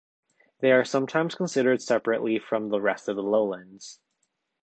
They are sometimes considered separately from the rest of the Lowlands.